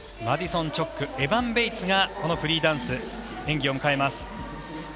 マディソン・チョークエバン・ベイツがこのフリーダンス演技を迎えます。